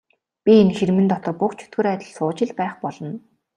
Би энэ хэрмэн дотор буг чөтгөр адил сууж л байх болно.